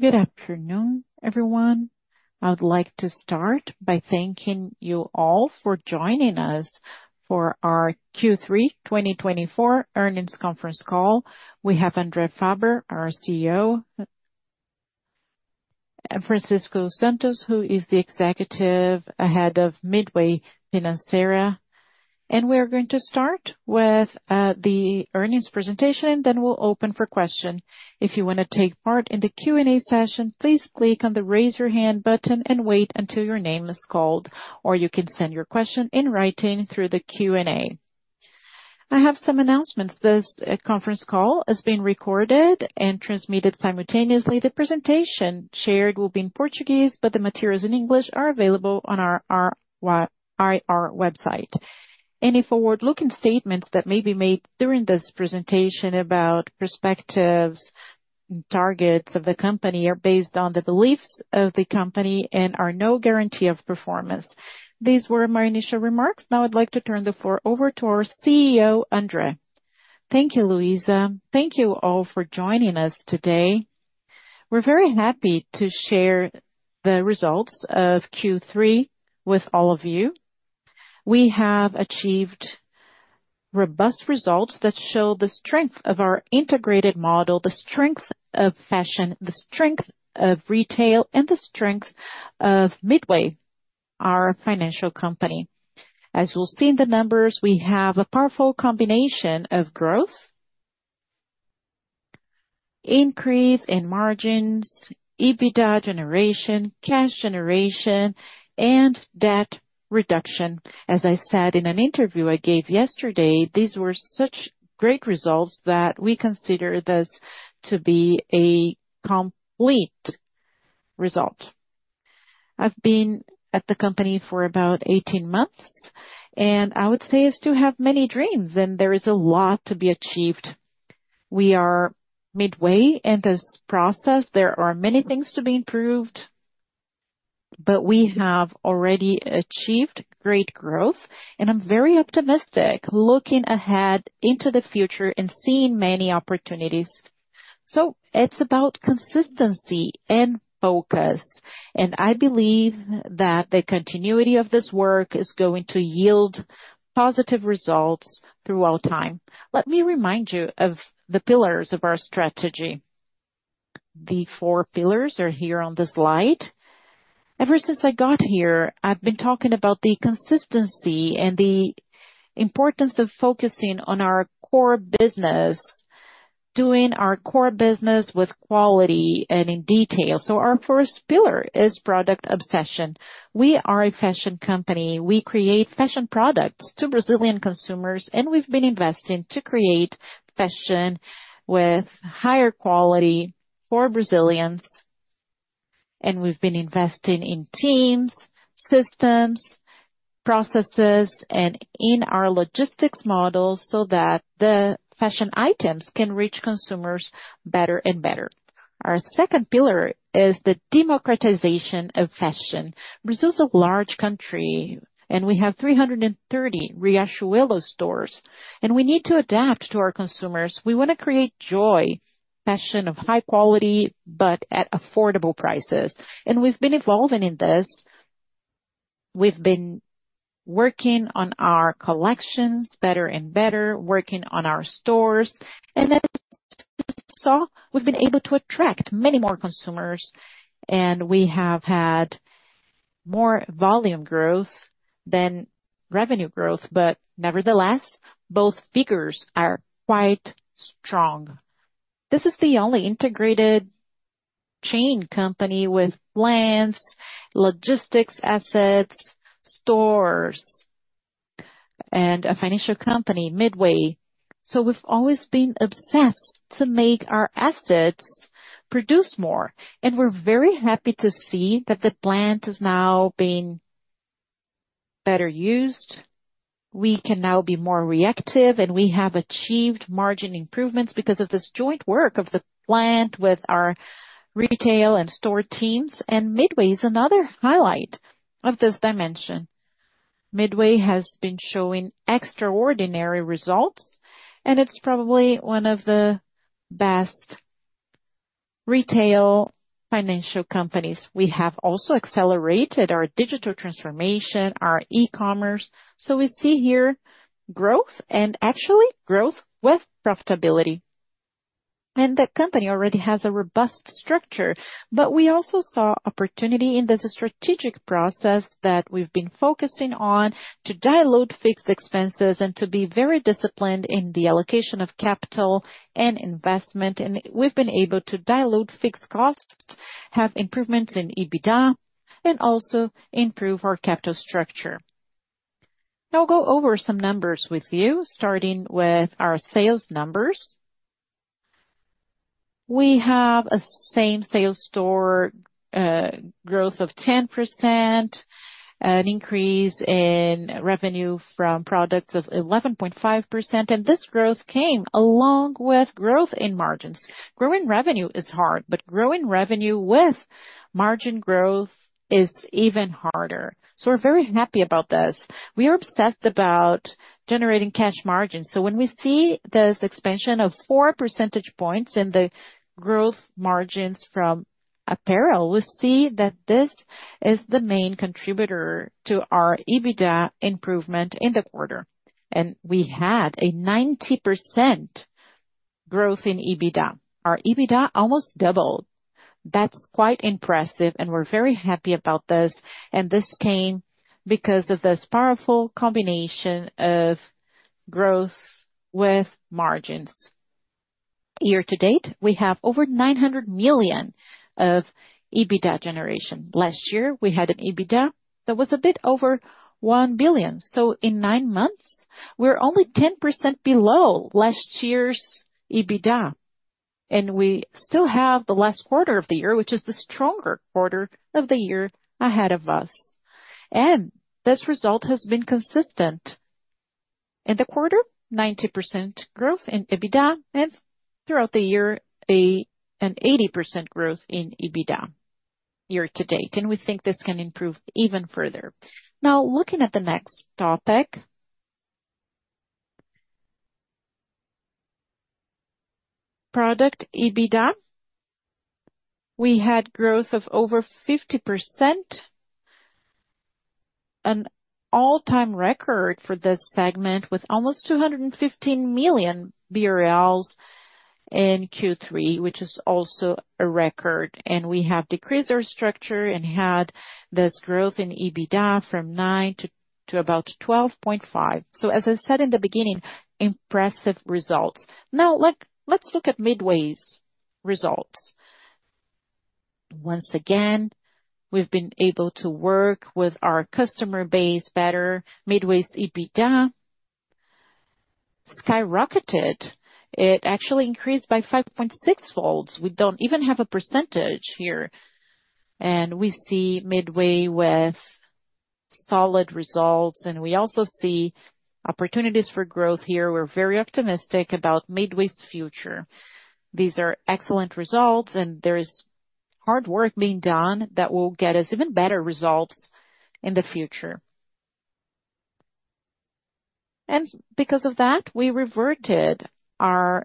Good afternoon, everyone. I would like to start by thanking you all for joining us for our Q3 2024 earnings conference call. We have André Farber, our CEO, Francisco Santos, who is the Executive Head of Midway Financeira, and we are going to start with the earnings presentation, and then we'll open for questions. If you want to take part in the Q&A session, please click on the raise your hand button and wait until your name is called, or you can send your question in writing through the Q&A. I have some announcements. This conference call is being recorded and transmitted simultaneously. The presentation shared will be in Portuguese, but the materials in English are available on our IR website. Any forward-looking statements that may be made during this presentation about perspectives and targets of the company are based on the beliefs of the company and are no guarantee of performance. These were my initial remarks. Now I'd like to turn the floor over to our CEO, André. Thank you, Luisa. Thank you all for joining us today. We're very happy to share the results of Q3 with all of you. We have achieved robust results that show the strength of our integrated model, the strength of fashion, the strength of retail, and the strength of Midway, our financial company. As you'll see in the numbers, we have a powerful combination of growth, increase in margins, EBITDA generation, cash generation, and debt reduction. As I said in an interview I gave yesterday, these were such great results that we consider this to be a complete result. I've been at the company for about 18 months, and I would say I still have many dreams, and there is a lot to be achieved. We are midway in this process. There are many things to be improved, but we have already achieved great growth, and I'm very optimistic looking ahead into the future and seeing many opportunities. So it's about consistency and focus, and I believe that the continuity of this work is going to yield positive results throughout time. Let me remind you of the pillars of our strategy. The four pillars are here on the slide. Ever since I got here, I've been talking about the consistency and the importance of focusing on our core business, doing our core business with quality and in detail. So our first pillar is product obsession. We are a fashion company. We create fashion products to Brazilian consumers, and we've been investing to create fashion with higher quality for Brazilians, and we've been investing in teams, systems, processes, and in our logistics model so that the fashion items can reach consumers better and better. Our second pillar is the democratization of fashion. Brazil is a large country, and we have 330 Riachuelo stores, and we need to adapt to our consumers. We want to create joy, fashion of high quality, but at affordable prices, and we've been evolving in this. We've been working on our collections better and better, working on our stores, and as you saw, we've been able to attract many more consumers, and we have had more volume growth than revenue growth, but nevertheless, both figures are quite strong. This is the only integrated chain company with plants, logistics assets, stores, and a financial company, Midway. We've always been obsessed to make our assets produce more, and we're very happy to see that the plant is now being better used. We can now be more reactive, and we have achieved margin improvements because of this joint work of the plant with our retail and store teams. Midway is another highlight of this dimension. Midway has been showing extraordinary results, and it's probably one of the best retail financial companies. We have also accelerated our digital transformation, our e-commerce. We see here growth and actually growth with profitability. The company already has a robust structure, but we also saw opportunity in the strategic process that we've been focusing on to dilute fixed expenses and to be very disciplined in the allocation of capital and investment. We've been able to dilute fixed costs, have improvements in EBITDA, and also improve our capital structure. Now I'll go over some numbers with you, starting with our sales numbers. We have a same-store sales growth of 10%, an increase in revenue from products of 11.5%, and this growth came along with growth in margins. Growing revenue is hard, but growing revenue with margin growth is even harder. So we're very happy about this. We are obsessed about generating gross margins. So when we see this expansion of four percentage points in the gross margins from apparel, we see that this is the main contributor to our EBITDA improvement in the quarter. And we had a 90% growth in EBITDA. Our EBITDA almost doubled. That's quite impressive, and we're very happy about this. And this came because of this powerful combination of growth with margins. Year to date, we have over 900 million of EBITDA generation. Last year, we had an EBITDA that was a bit over 1 billion BRL. So in nine months, we're only 10% below last year's EBITDA. And we still have the last quarter of the year, which is the stronger quarter of the year ahead of us. And this result has been consistent. In the quarter, 90% growth in EBITDA, and throughout the year, an 80% growth in EBITDA year to date. And we think this can improve even further. Now, looking at the next topic, product EBITDA, we had growth of over 50%, an all-time record for this segment with almost 215 million BRL in Q3, which is also a record. And we have decreased our structure and had this growth in EBITDA from 9 to about 12.5. So, as I said in the beginning, impressive results. Now, let's look at Midway's results. Once again, we've been able to work with our customer base better. Midway's EBITDA skyrocketed. It actually increased by 5.6 folds. We don't even have a percentage here. We see Midway with solid results, and we also see opportunities for growth here. We're very optimistic about Midway's future. These are excellent results, and there is hard work being done that will get us even better results in the future. Because of that, we reverted our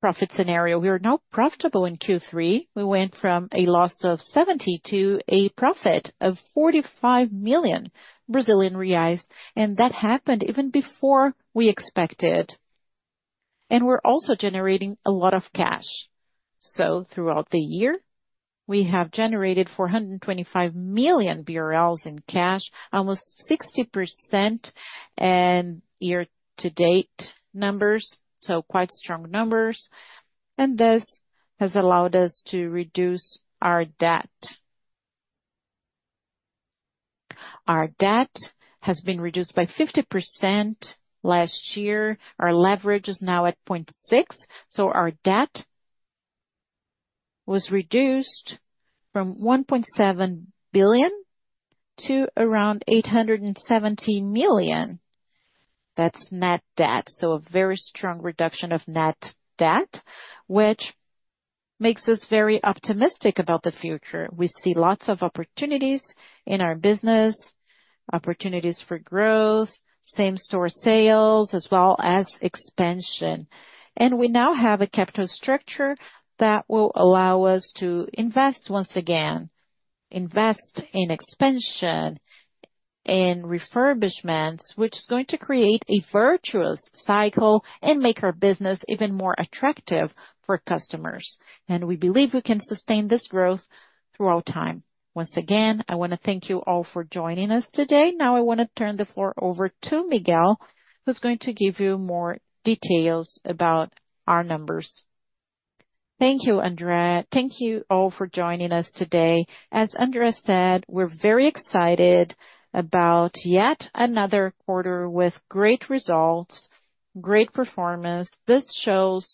profit scenario. We were now profitable in Q3. We went from a loss of 70 million to a profit of 45 million Brazilian reais, and that happened even before we expected. We're also generating a lot of cash. Throughout the year, we have generated 425 million BRL in cash, almost 60% in year-to-date numbers, so quite strong numbers. This has allowed us to reduce our debt. Our debt has been reduced by 50% last year. Our leverage is now at 0.6, so our debt was reduced from 1.7 billion to around 870 million. That's net debt, so a very strong reduction of net debt, which makes us very optimistic about the future. We see lots of opportunities in our business, opportunities for growth, same-store sales, as well as expansion. And we now have a capital structure that will allow us to invest once again, invest in expansion and refurbishments, which is going to create a virtuous cycle and make our business even more attractive for customers. And we believe we can sustain this growth throughout time. Once again, I want to thank you all for joining us today. Now, I want to turn the floor over to Tulio, who's going to give you more details about our numbers. Thank you, André. Thank you all for joining us today. As André said, we're very excited about yet another quarter with great results, great performance. This shows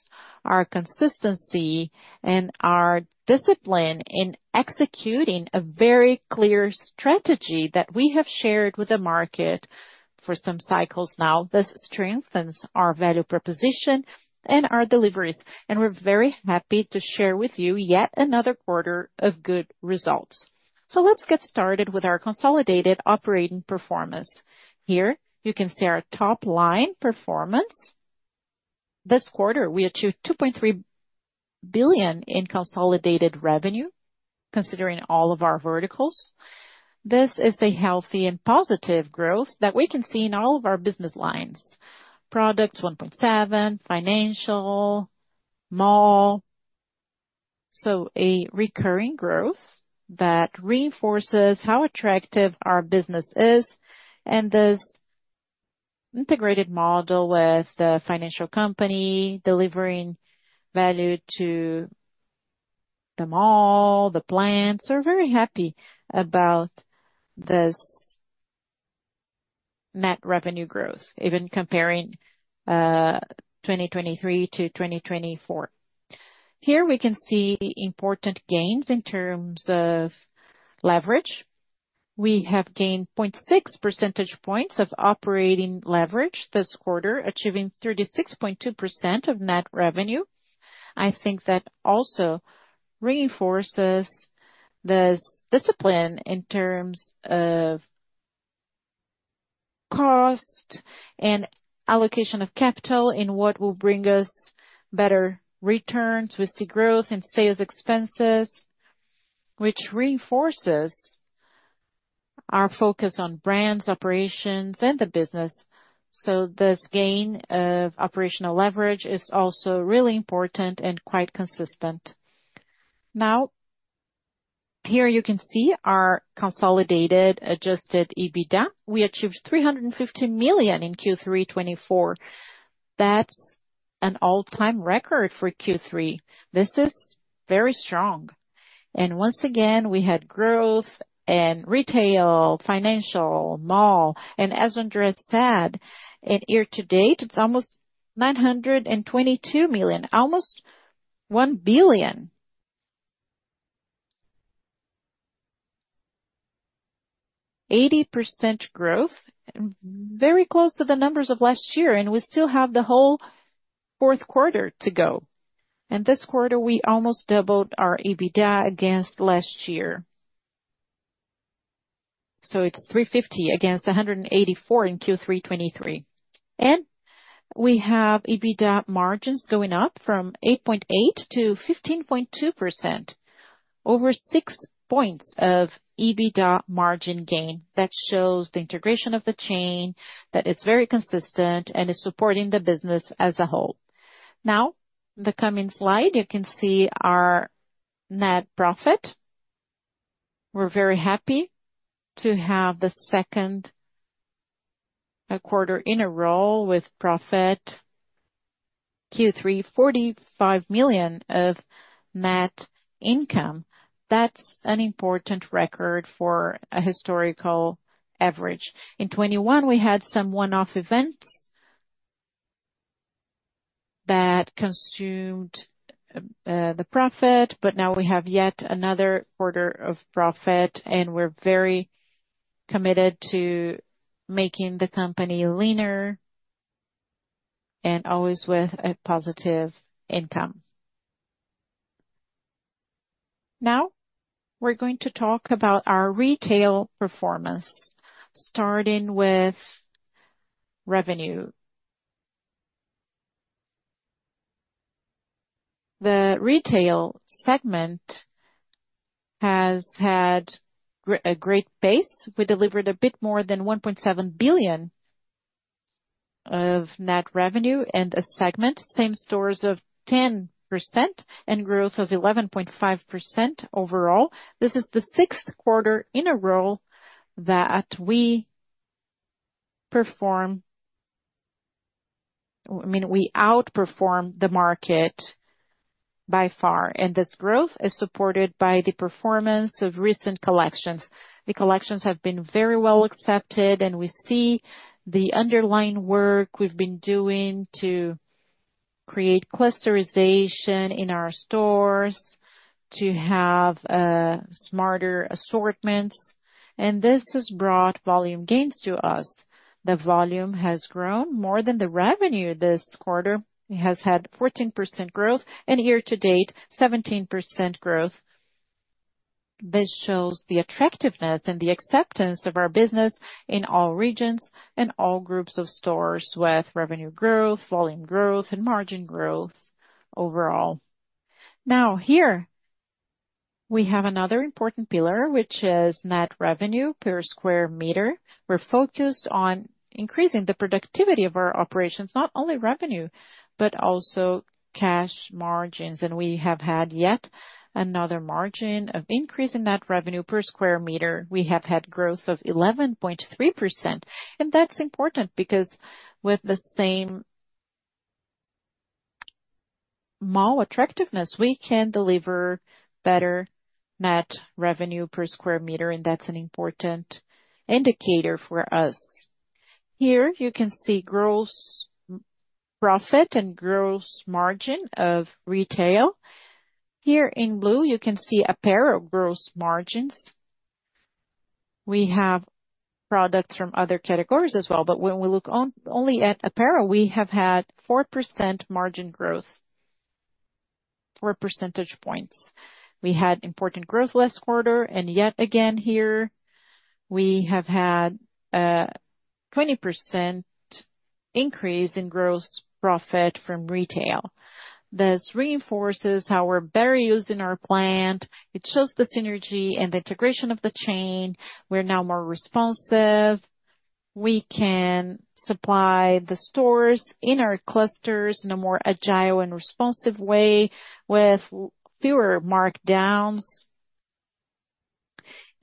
our consistency and our discipline in executing a very clear strategy that we have shared with the market for some cycles now. This strengthens our value proposition and our deliveries. And we're very happy to share with you yet another quarter of good results. So let's get started with our consolidated operating performance. Here, you can see our top-line performance. This quarter, we achieved 2.3 billion in consolidated revenue, considering all of our verticals. This is a healthy and positive growth that we can see in all of our business lines: products 1.7, financial, mall. So, a recurring growth that reinforces how attractive our business is. This integrated model with the financial company delivering value to the mall, the plants. We're very happy about this net revenue growth, even comparing 2023 to 2024. Here, we can see important gains in terms of leverage. We have gained 0.6 percentage points of operating leverage this quarter, achieving 36.2% of net revenue. I think that also reinforces this discipline in terms of cost and allocation of capital in what will bring us better returns. We see growth in sales expenses, which reinforces our focus on brands, operations, and the business. This gain of operational leverage is also really important and quite consistent. Now, here you can see our consolidated adjusted EBITDA. We achieved 350 million in Q3 2024. That's an all-time record for Q3. This is very strong. Once again, we had growth in retail, financial, mall. As André said, in year to date, it's almost 922 million, almost 1 billion. 80% growth, very close to the numbers of last year, and we still have the whole fourth quarter to go. This quarter, we almost doubled our EBITDA against last year. So it's 350 against 184 in Q3 2023. We have EBITDA margins going up from 8.8% to 15.2%, over 6 points of EBITDA margin gain. That shows the integration of the chain that is very consistent and is supporting the business as a whole. Now, the coming slide, you can see our net profit. We're very happy to have the second quarter in a row with profit Q3, 45 million of net income. That's an important record for a historical average. In 2021, we had some one-off events that consumed the profit, but now we have yet another quarter of profit, and we're very committed to making the company leaner and always with a positive income. Now, we're going to talk about our retail performance, starting with revenue. The retail segment has had a great base. We delivered a bit more than 1.7 billion of net revenue and segment same-store sales of 10% and growth of 11.5% overall. This is the sixth quarter in a row that we perform, I mean, we outperform the market by far, and this growth is supported by the performance of recent collections. The collections have been very well accepted, and we see the underlying work we've been doing to create clusterization in our stores, to have smarter assortments, and this has brought volume gains to us. The volume has grown more than the revenue this quarter. It has had 14% growth and year-to-date 17% growth. This shows the attractiveness and the acceptance of our business in all regions and all groups of stores with revenue growth, volume growth, and margin growth overall. Now, here we have another important pillar, which is net revenue per square meter. We're focused on increasing the productivity of our operations, not only revenue, but also cash margins, and we have had yet another margin of increase in net revenue per square meter. We have had growth of 11.3%, and that's important because with the same mall attractiveness, we can deliver better net revenue per square meter, and that's an important indicator for us. Here you can see gross profit and gross margin of retail. Here in blue, you can see apparel gross margins. We have products from other categories as well, but when we look only at apparel, we have had 4% margin growth, four percentage points. We had important growth last quarter, and yet again here, we have had a 20% increase in gross profit from retail. This reinforces how we're better using our plant. It shows the synergy and the integration of the chain. We're now more responsive. We can supply the stores in our clusters in a more agile and responsive way with fewer markdowns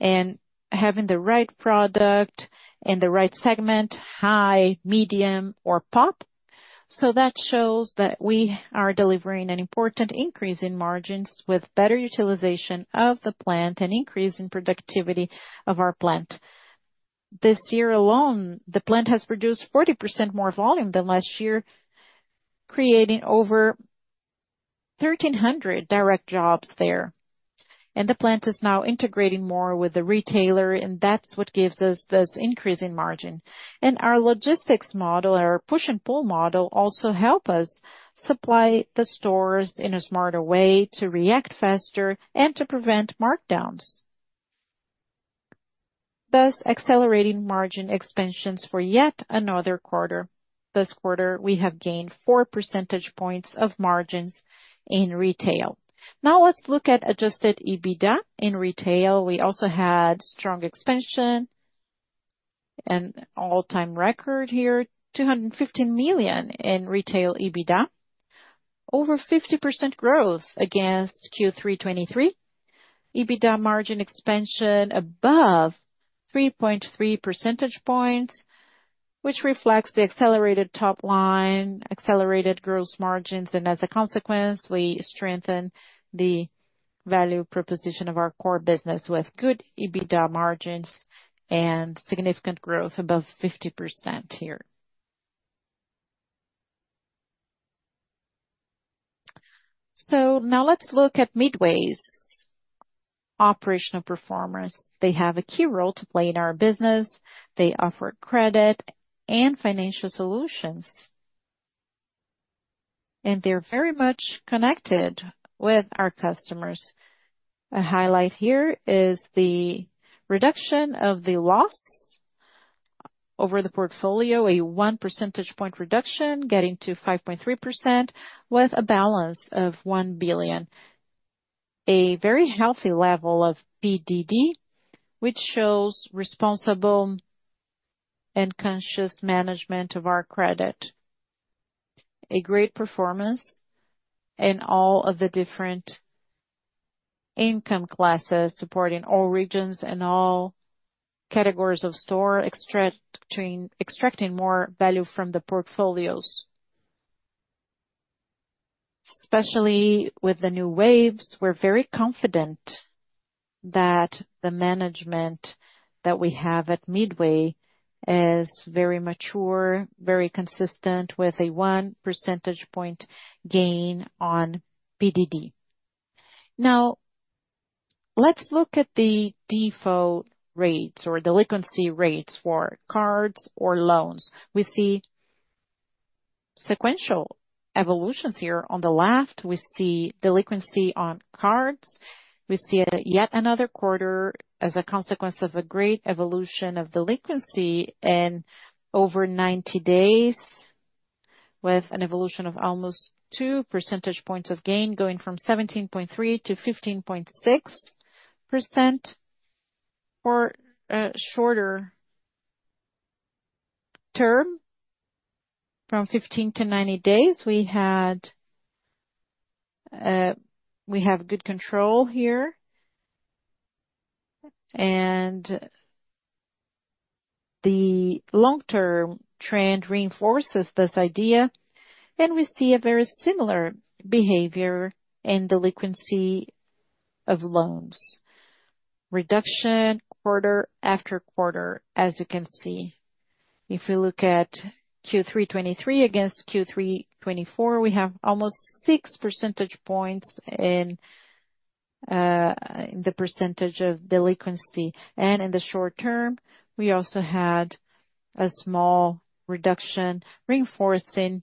and having the right product in the right segment, high, medium, or pop, so that shows that we are delivering an important increase in margins with better utilization of the plant and increase in productivity of our plant. This year alone, the plant has produced 40% more volume than last year, creating over 1,300 direct jobs there. The plant is now integrating more with the retailer, and that's what gives us this increase in margin. Our logistics model, our push-and-pull model, also helps us supply the stores in a smarter way to react faster and to prevent markdowns. Thus, accelerating margin expansions for yet another quarter. This quarter, we have gained 4 percentage points of margins in retail. Now, let's look at adjusted EBITDA in retail. We also had strong expansion and all-time record here, 215 million in retail EBITDA, over 50% growth against Q3 2023. EBITDA margin expansion above 3.3 percentage points, which reflects the accelerated top-line, accelerated gross margins. As a consequence, we strengthen the value proposition of our core business with good EBITDA margins and significant growth above 50% here. Now let's look at Midway's operational performance. They have a key role to play in our business. They offer credit and financial solutions, and they're very much connected with our customers. A highlight here is the reduction of the loss over the portfolio, a one percentage point reduction getting to 5.3% with a balance of one billion. A very healthy level of PDD, which shows responsible and conscious management of our credit. A great performance in all of the different income classes supporting all regions and all categories of store, extracting more value from the portfolios. Especially with the new waves, we're very confident that the management that we have at Midway is very mature, very consistent with a one percentage point gain on PDD. Now, let's look at the default rates or delinquency rates for cards or loans. We see sequential evolutions here. On the left, we see delinquency on cards. We see yet another quarter as a consequence of a great evolution of delinquency in over 90 days, with an evolution of almost two percentage points of gain going from 17.3% to 15.6% for a shorter term, from 15 to 90 days. We have good control here, and the long-term trend reinforces this idea, and we see a very similar behavior in delinquency of loans, reduction quarter after quarter, as you can see. If we look at Q3 2023 against Q3 2024, we have almost six percentage points in the percentage of delinquency, and in the short term, we also had a small reduction reinforcing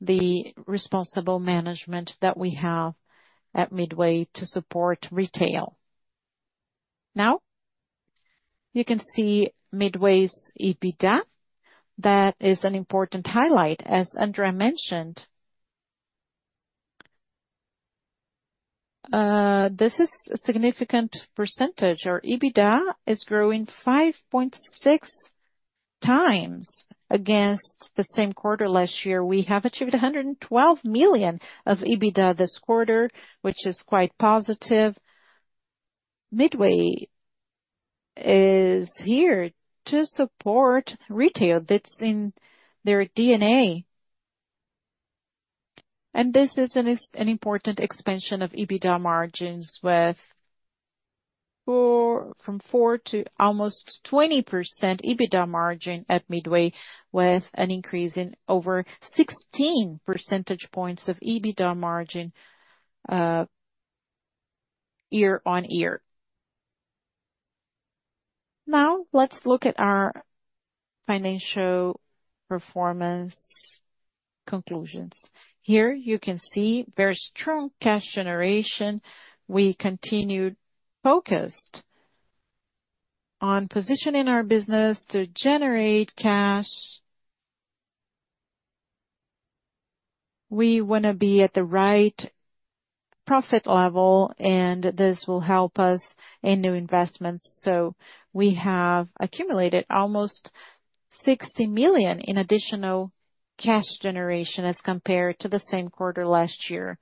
the responsible management that we have at Midway to support retail. Now, you can see Midway's EBITDA. That is an important highlight, as André mentioned. This is a significant percentage. Our EBITDA is growing 5.6 times against the same quarter last year. We have achieved 112 million of EBITDA this quarter, which is quite positive. Midway is here to support retail. That's in their DNA, and this is an important expansion of EBITDA margins with from 4% to almost 20% EBITDA margin at Midway, with an increase in over 16 percentage points of EBITDA margin year on year. Now, let's look at our financial performance conclusions. Here, you can see very strong cash generation. We continued focused on positioning our business to generate cash. We want to be at the right profit level, and this will help us in new investments, so we have accumulated almost 60 million in additional cash generation as compared to the same quarter last year,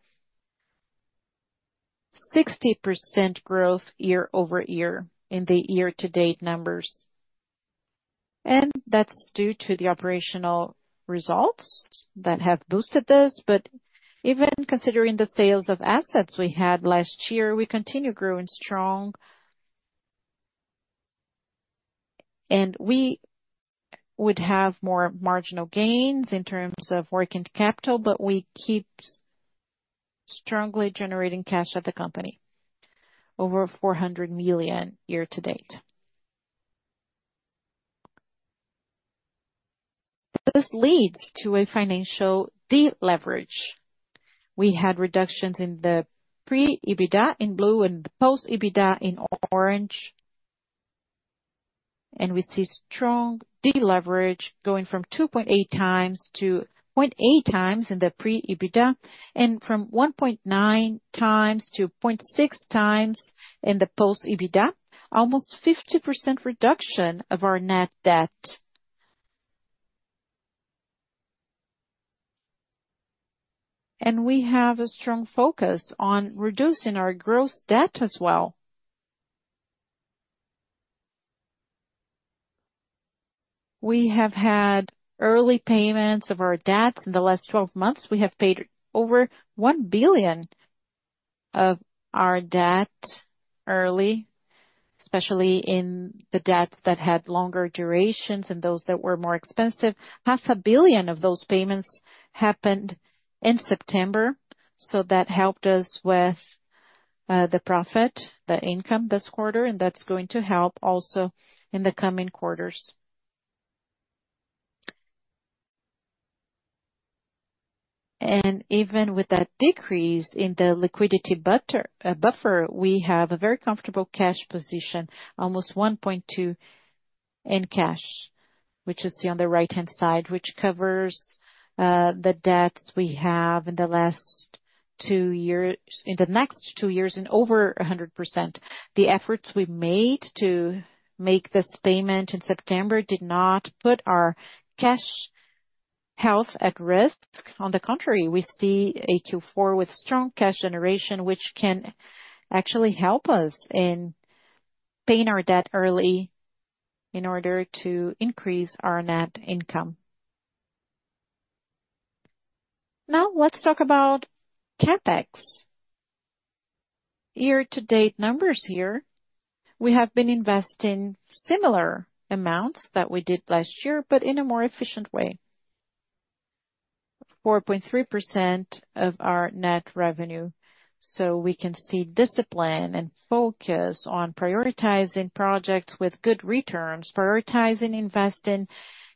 60% growth year over year in the year-to-date numbers. And that's due to the operational results that have boosted this. But even considering the sales of assets we had last year, we continue growing strong. And we would have more marginal gains in terms of working capital, but we keep strongly generating cash at the company, over 400 million year-to-date. This leads to a financial deleverage. We had reductions in the pre-EBITDA in blue and post-EBITDA in orange. And we see strong deleverage going from 2.8 times to 0.8 times in the pre-EBITDA and from 1.9 times to 0.6 times in the post-EBITDA, almost 50% reduction of our net debt. And we have a strong focus on reducing our gross debt as well. We have had early payments of our debts in the last 12 months. We have paid over 1 billion of our debt early, especially in the debts that had longer durations and those that were more expensive. 500 million of those payments happened in September. That helped us with the profit, the income this quarter, and that's going to help also in the coming quarters. Even with that decrease in the liquidity buffer, we have a very comfortable cash position, almost 1.2 billion in cash, which you see on the right-hand side, which covers the debts we have in the last two years, in the next two years in over 100%. The efforts we made to make this payment in September did not put our cash health at risk. On the contrary, we see a Q4 with strong cash generation, which can actually help us in paying our debt early in order to increase our net income. Now, let's talk about CapEx. Year-to-date numbers here. We have been investing similar amounts that we did last year, but in a more efficient way, 4.3% of our net revenue. So we can see discipline and focus on prioritizing projects with good returns, prioritizing investing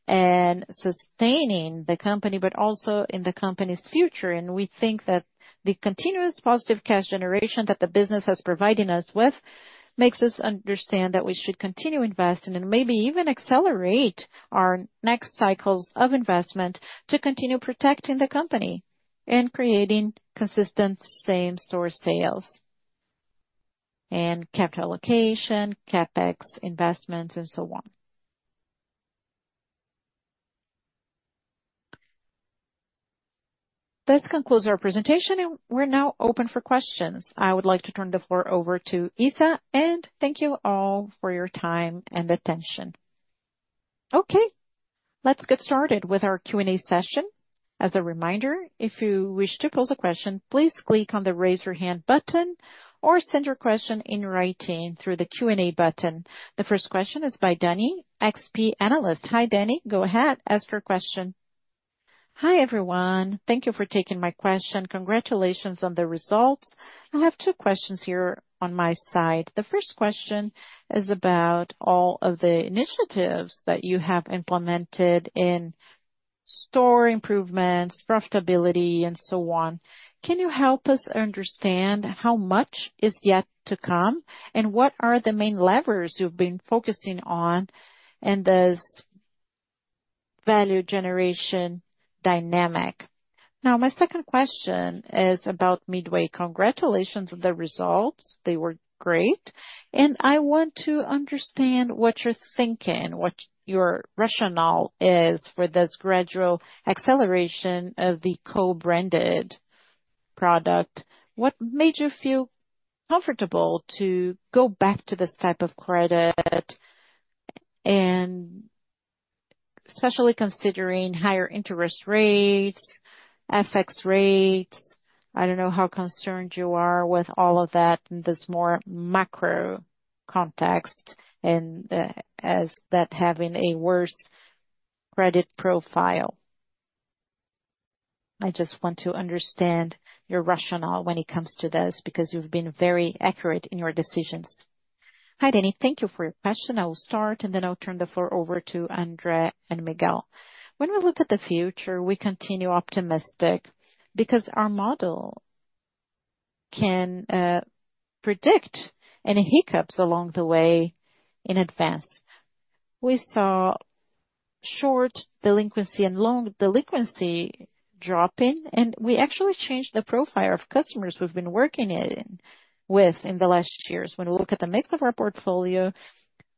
and sustaining the company, but also in the company's future. And we think that the continuous positive cash generation that the business has provided us with makes us understand that we should continue investing and maybe even accelerate our next cycles of investment to continue protecting the company and creating consistent same-store sales and capital allocation, CapEx investments, and so on. This concludes our presentation, and we're now open for questions. I would like to turn the floor over to Luisa, and thank you all for your time and attention. Okay, let's get started with our Q&A session. As a reminder, if you wish to pose a question, please click on the raise your hand button or send your question in writing through the Q&A button. The first question is by Danny, XP Analyst. Hi, Danny. Go ahead, ask your question. Hi, everyone. Thank you for taking my question. Congratulations on the results. I have two questions here on my side. The first question is about all of the initiatives that you have implemented in store improvements, profitability, and so on. Can you help us understand how much is yet to come and what are the main levers you've been focusing on in this value generation dynamic? Now, my second question is about Midway. Congratulations on the results. They were great. And I want to understand what you're thinking, what your rationale is for this gradual acceleration of the co-branded product. What made you feel comfortable to go back to this type of credit, especially considering higher interest rates, FX rates? I don't know how concerned you are with all of that in this more macro context and as that having a worse credit profile? I just want to understand your rationale when it comes to this because you've been very accurate in your decisions. Hi, Danny. Thank you for your question. I will start, and then I'll turn the floor over to André and Tulio. When we look at the future, we continue optimistic because our model can predict any hiccups along the way in advance. We saw short delinquency and long delinquency dropping, and we actually changed the profile of customers we've been working with in the last years. When we look at the mix of our portfolio,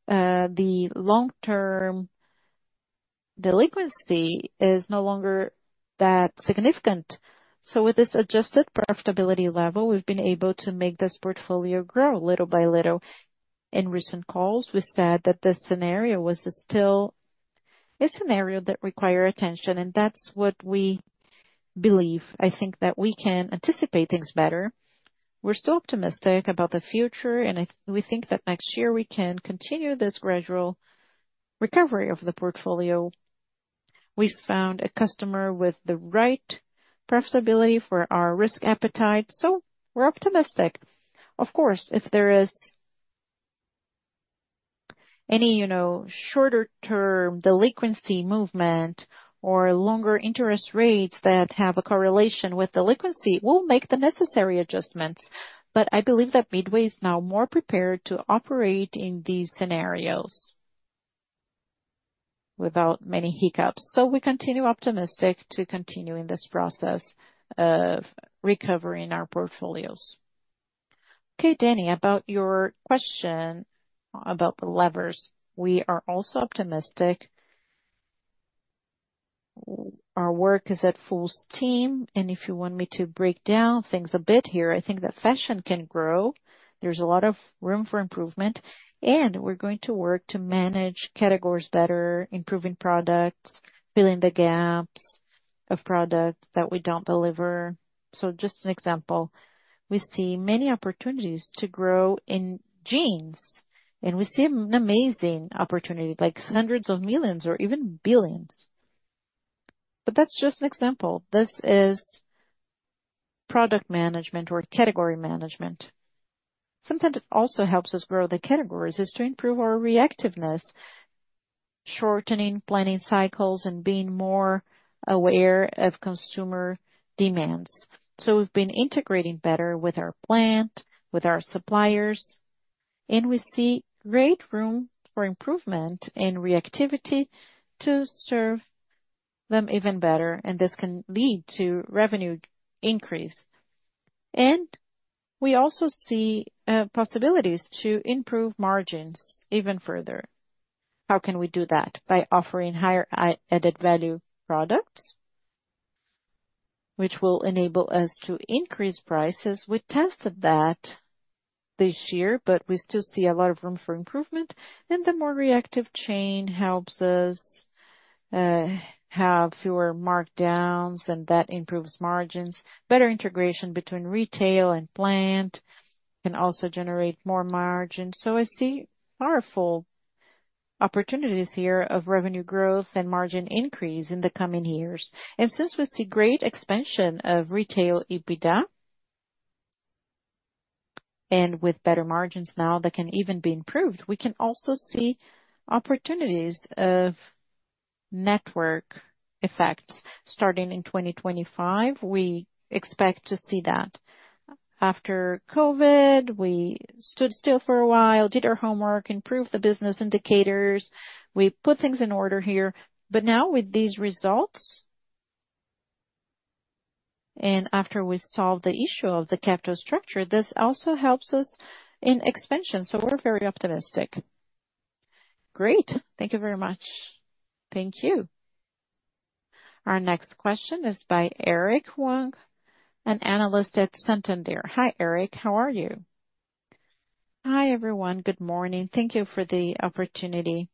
the long-term delinquency is no longer that significant. So with this adjusted profitability level, we've been able to make this portfolio grow little by little. In recent calls, we said that this scenario was still a scenario that required attention, and that's what we believe. I think that we can anticipate things better. We're still optimistic about the future, and we think that next year we can continue this gradual recovery of the portfolio. We found a customer with the right profitability for our risk appetite, so we're optimistic. Of course, if there is any shorter-term delinquency movement or longer interest rates that have a correlation with delinquency, we'll make the necessary adjustments. But I believe that Midway is now more prepared to operate in these scenarios without many hiccups. So we continue optimistic to continue in this process of recovering our portfolios. Okay, Danny, about your question about the levers, we are also optimistic. Our work is at full steam, and if you want me to break down things a bit here, I think that fashion can grow. There's a lot of room for improvement, and we're going to work to manage categories better, improving products, filling the gaps of products that we don't deliver. So just an example, we see many opportunities to grow in jeans, and we see an amazing opportunity like hundreds of millions or even billions. But that's just an example. This is product management or category management. Sometimes it also helps us grow the categories is to improve our reactiveness, shortening planning cycles and being more aware of consumer demands. So we've been integrating better with our plant, with our suppliers, and we see great room for improvement in reactivity to serve them even better. And this can lead to revenue increase. We also see possibilities to improve margins even further. How can we do that? By offering higher added value products, which will enable us to increase prices. We tested that this year, but we still see a lot of room for improvement. The more reactive chain helps us have fewer markdowns, and that improves margins. Better integration between retail and plant can also generate more margins. I see powerful opportunities here of revenue growth and margin increase in the coming years. Since we see great expansion of retail EBITDA and with better margins now that can even be improved, we can also see opportunities of network effects starting in 2025. We expect to see that after COVID. We stood still for a while, did our homework, improved the business indicators. We put things in order here. But now with these results, and after we solve the issue of the capital structure, this also helps us in expansion. So we're very optimistic. Great. Thank you very much. Thank you. Our next question is by Eric Huang, an analyst at Santander. Hi, Eric. How are you? Hi, everyone. Good morning. Thank you for the opportunity.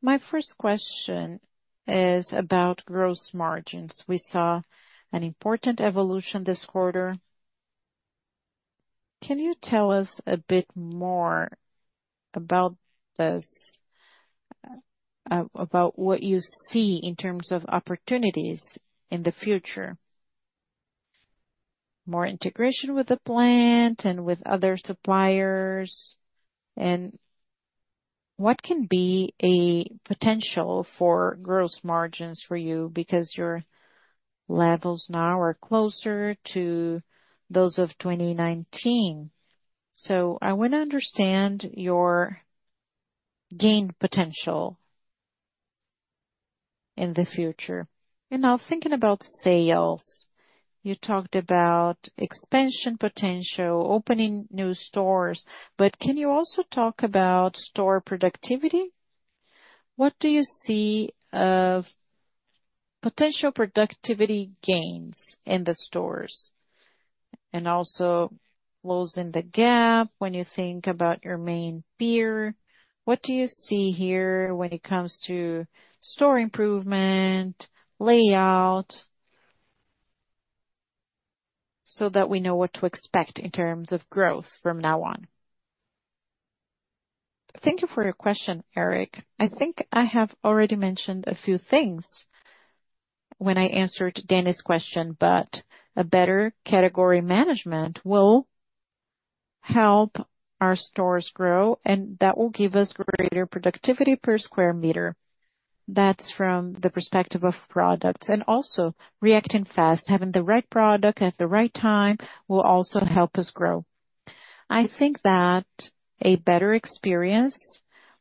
My first question is about gross margins. We saw an important evolution this quarter. Can you tell us a bit more about this, about what you see in terms of opportunities in the future, more integration with the plant and with other suppliers, and what can be a potential for gross margins for you because your levels now are closer to those of 2019? So I want to understand your gain potential in the future. And now thinking about sales, you talked about expansion potential, opening new stores, but can you also talk about store productivity? What do you see of potential productivity gains in the stores and also closing the gap when you think about your main peer? What do you see here when it comes to store improvement layout so that we know what to expect in terms of growth from now on? Thank you for your question, Eric. I think I have already mentioned a few things when I answered Danny's question, but a better category management will help our stores grow, and that will give us greater productivity per square meter. That's from the perspective of products. And also reacting fast, having the right product at the right time will also help us grow. I think that a better experience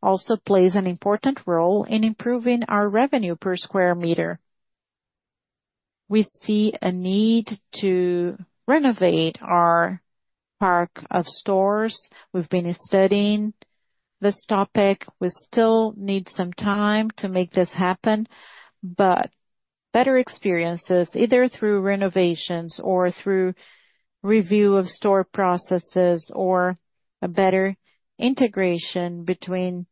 also plays an important role in improving our revenue per square meter. We see a need to renovate our park of stores. We've been studying this topic. We still need some time to make this happen, but better experiences either through renovations or through review of store processes or a better integration between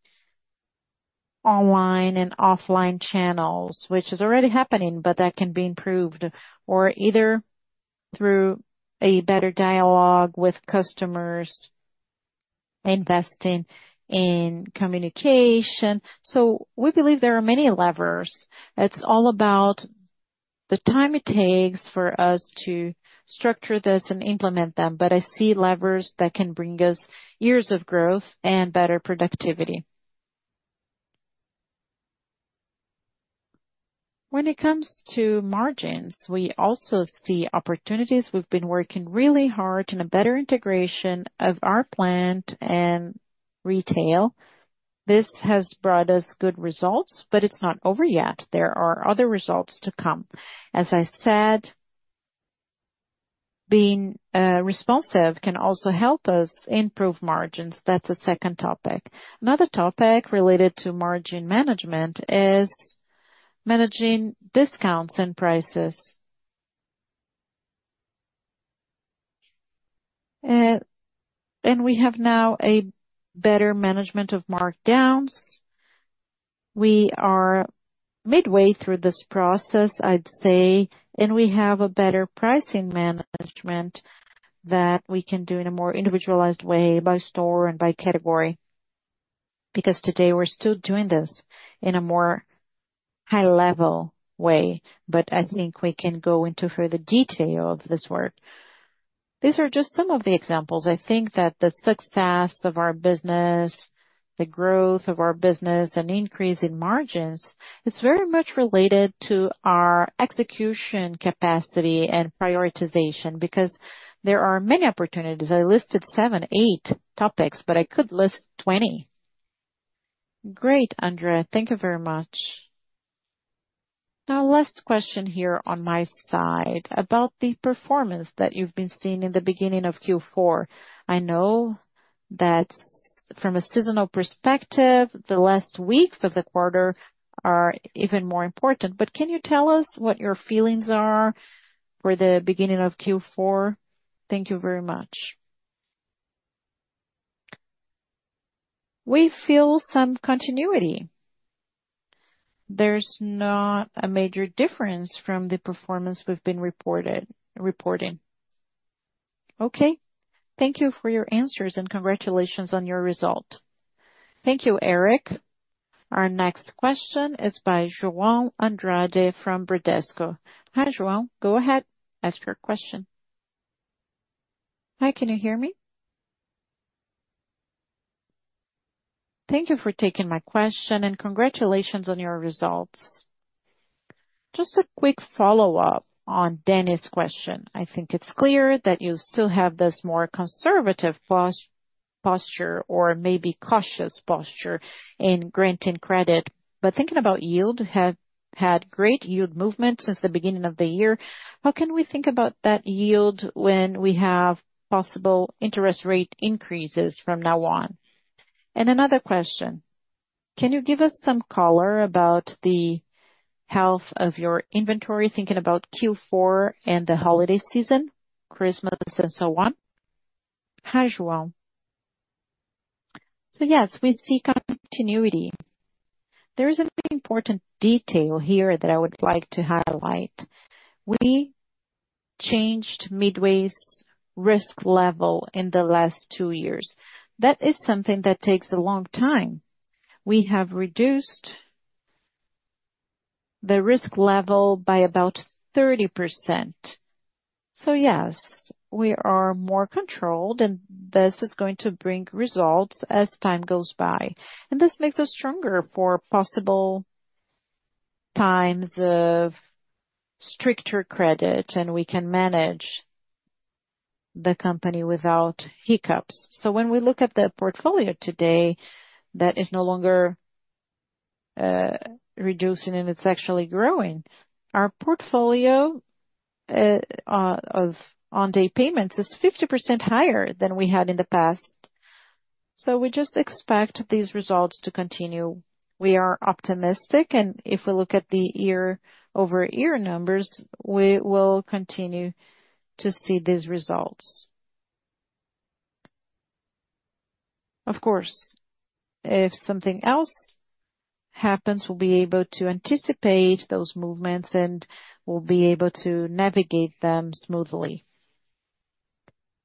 online and offline channels, which is already happening, but that can be improved, or either through a better dialogue with customers investing in communication, so we believe there are many levers. It's all about the time it takes for us to structure this and implement them, but I see levers that can bring us years of growth and better productivity. When it comes to margins, we also see opportunities. We've been working really hard on a better integration of our plant and retail. This has brought us good results, but it's not over yet. There are other results to come. As I said, being responsive can also help us improve margins. That's a second topic. Another topic related to margin management is managing discounts and prices. And we have now a better management of markdowns. We are midway through this process, I'd say, and we have a better pricing management that we can do in a more individualized way by store and by category because today we're still doing this in a more high-level way. But I think we can go into further detail of this work. These are just some of the examples. I think that the success of our business, the growth of our business, and increase in margins, it's very much related to our execution capacity and prioritization because there are many opportunities. I listed seven, eight topics, but I could list 20. Great, André. Thank you very much. Now, last question here on my side about the performance that you've been seeing in the beginning of Q4. I know that from a seasonal perspective, the last weeks of the quarter are even more important, but can you tell us what your feelings are for the beginning of Q4? Thank you very much. We feel some continuity. There's not a major difference from the performance we've been reporting. Okay. Thank you for your answers and congratulations on your result. Thank you, Eric. Our next question is by João Andrade from Bradesco. Hi, João. Go ahead. Ask your question. Hi. Can you hear me? Thank you for taking my question and congratulations on your results. Just a quick follow-up on Danny's question. I think it's clear that you still have this more conservative posture or maybe cautious posture in granting credit. But thinking about yield, have had great yield movement since the beginning of the year. How can we think about that yield when we have possible interest rate increases from now on? And another question. Can you give us some color about the health of your inventory, thinking about Q4 and the holiday season, Christmas, and so on? Hi, João. So yes, we see continuity. There is an important detail here that I would like to highlight. We changed Midway's risk level in the last two years. That is something that takes a long time. We have reduced the risk level by about 30%. So yes, we are more controlled, and this is going to bring results as time goes by. This makes us stronger for possible times of stricter credit, and we can manage the company without hiccups. When we look at the portfolio today, that is no longer reducing, and it's actually growing. Our portfolio of on-day payments is 50% higher than we had in the past. We just expect these results to continue. We are optimistic, and if we look at the year-over-year numbers, we will continue to see these results. Of course, if something else happens, we'll be able to anticipate those movements and we'll be able to navigate them smoothly.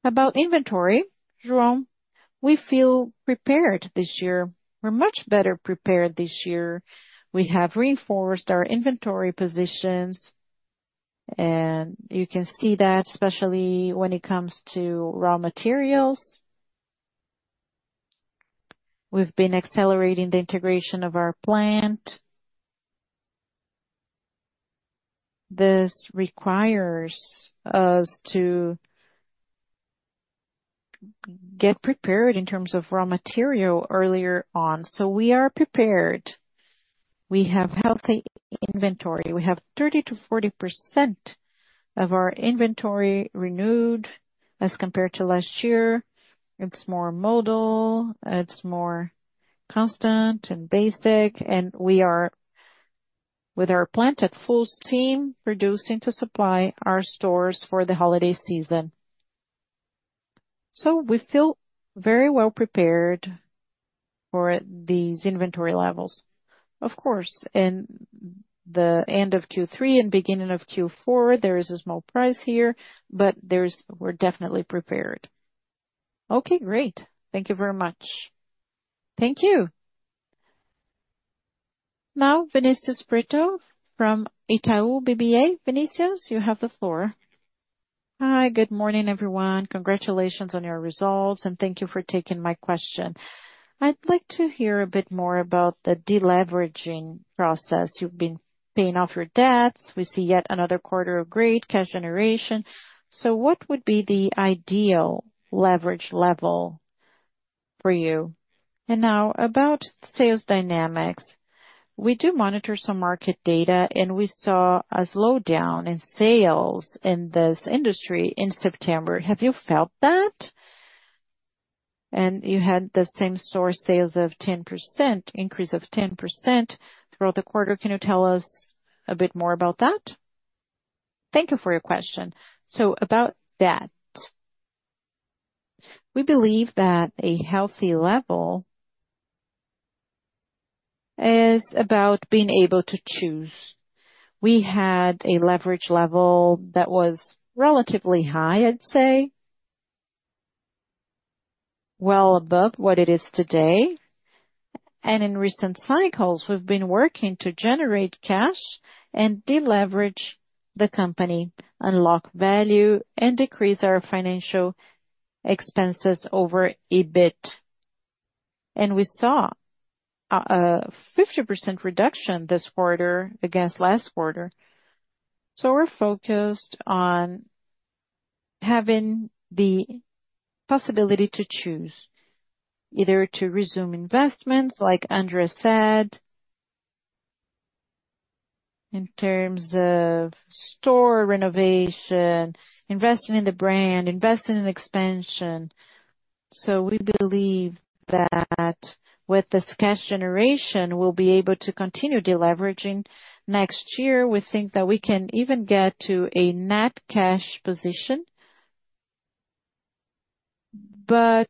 About inventory, João, we feel prepared this year. We're much better prepared this year. We have reinforced our inventory positions, and you can see that especially when it comes to raw materials. We've been accelerating the integration of our plant. This requires us to get prepared in terms of raw material earlier on. So we are prepared. We have healthy inventory. We have 30%-40% of our inventory renewed as compared to last year. It's more modal. It's more constant and basic. And we are with our plant at full steam producing to supply our stores for the holiday season. So we feel very well prepared for these inventory levels. Of course, in the end of Q3 and beginning of Q4, there is a small price here, but we're definitely prepared. Okay, great. Thank you very much. Thank you. Now, Vinícius Brito from Itaú BBA. Vinícius, you have the floor. Hi, good morning, everyone. Congratulations on your results, and thank you for taking my question. I'd like to hear a bit more about the deleveraging process. You've been paying off your debts. We see yet another quarter of great cash generation. So what would be the ideal leverage level for you? Now about sales dynamics. We do monitor some market data, and we saw a slowdown in sales in this industry in September. Have you felt that? You had the same-store sales of 10%, increase of 10% throughout the quarter. Can you tell us a bit more about that? Thank you for your question. About that, we believe that a healthy level is about being able to choose. We had a leverage level that was relatively high, I'd say, well above what it is today. In recent cycles, we've been working to generate cash and deleverage the company, unlock value, and decrease our financial expenses over a bit. We saw a 50% reduction this quarter against last quarter. So we're focused on having the possibility to choose either to resume investments, like André said, in terms of store renovation, investing in the brand, investing in expansion. So we believe that with this cash generation, we'll be able to continue deleveraging next year. We think that we can even get to a net cash position. But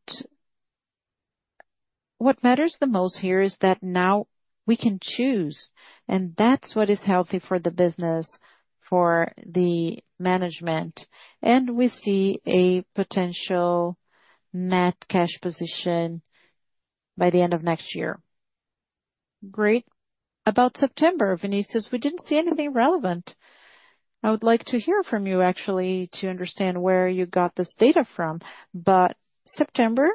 what matters the most here is that now we can choose, and that's what is healthy for the business, for the management. And we see a potential net cash position by the end of next year. Great. About September, Vinícius, we didn't see anything relevant. I would like to hear from you, actually, to understand where you got this data from. But September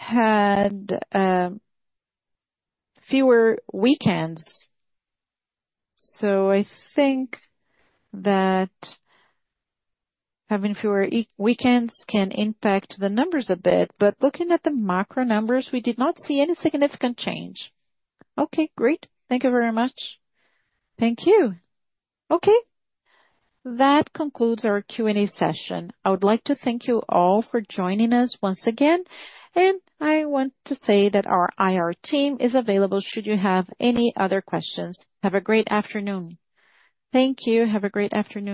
had fewer weekends. So I think that having fewer weekends can impact the numbers a bit. But looking at the macro numbers, we did not see any significant change. Okay, great. Thank you very much. Thank you. Okay. That concludes our Q&A session. I would like to thank you all for joining us once again, and I want to say that our IR team is available should you have any other questions. Have a great afternoon. Thank you. Have a great afternoon.